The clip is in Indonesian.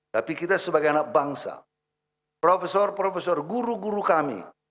tapi kita sebagai anak bangsa profesor profesor guru guru kami